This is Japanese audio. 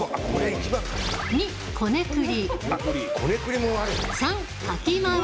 こねくり。